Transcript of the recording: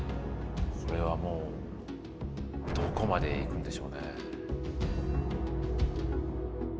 それはもうどこまで行くんでしょうね。